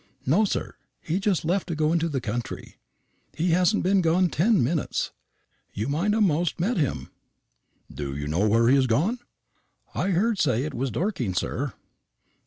"No, sir; he's just left to go into the country. He hasn't been gone ten minutes. You might a'most have met him." "Do you know where he has gone?" "I heard say it was Dorking, sir."